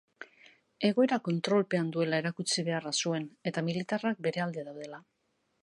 Egoera kontrolpean duela erakutsi beharra zuen eta militarrak bere alde daudela.